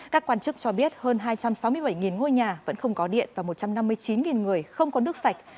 các quan chức cho biết hơn hai trăm sáu mươi bảy ngôi nhà vẫn không có điện và một trăm năm mươi chín người không có nước sạch